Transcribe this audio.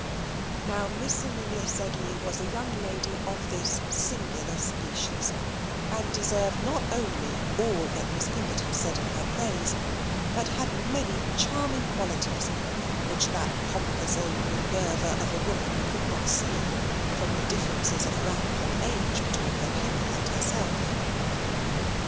Now, Miss Amelia Sedley was a young lady of this singular species; and deserved not only all that Miss Pinkerton said in her praise, but had many charming qualities which that pompous old Minerva of a woman could not see, from the differences of rank and age between her pupil and herself.